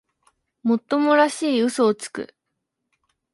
もっともらしい嘘をつく